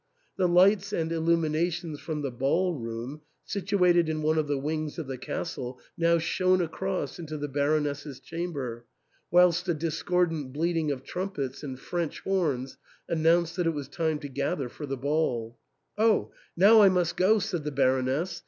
The lights and illuminations from the ball room, situated in one of the wings of the castle, now shone across into the Baron ess's chamber, whilst a discordant bleating of trumpets and French horns announced that it was time to gather for the ball. " Oh, now I must go," said the Baroness.